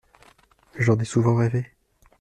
J’en ai souvent rêvé.